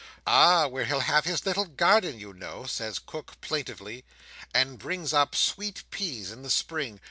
"Ah, where he'll have his little garden, you know," says Cook plaintively, "and bring up sweet peas in the spring."